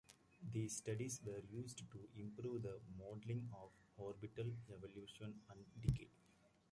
These studies were used to improve the modelling of orbital evolution and decay.